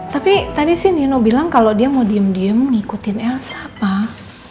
tapi tadi sih nino bilang kalau dia mau diem diem ngikutin elsa pak